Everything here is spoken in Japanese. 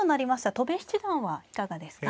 戸辺七段はいかがですか。